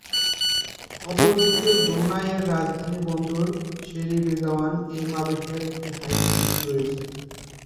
অপরদিকে, ব্রুনাই এর রাজধানী বন্দর সেরি বেগাওয়ান-এ মালয়েশিয়ার একটি হাই কমিশন রয়েছে।